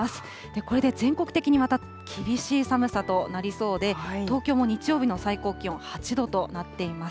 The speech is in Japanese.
これで全国的にまた、厳しい寒さとなりそうで、東京も日曜日の最高気温８度となっています。